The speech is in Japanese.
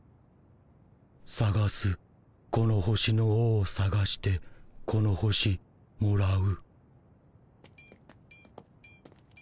さがすこの星の王さがしてこの星もらう。